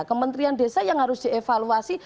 kementerian desa yang harus dievaluasi